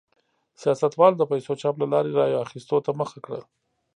سیاستوالو د پیسو چاپ له لارې رایو اخیستو ته مخه کړه.